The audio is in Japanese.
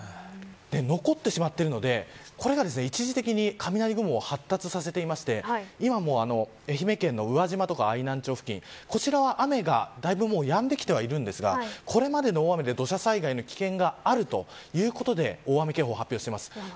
残ってしまっているのでこれが一時的に雷雲を発達させていまして今も愛媛県の宇和島とか愛南町付近、こちらは雨がだいぶやんできてはいるんですがこれまでの大雨で土砂災害の危険があるということで大雨警報発表しています。